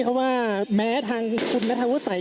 คุณภูริพัฒน์บุญนิน